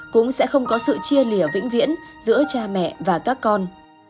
cũng sẽ không có sự chia lìa vĩnh viễn giữa cha mẹ và các con